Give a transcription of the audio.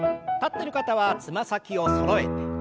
立ってる方はつま先をそろえて。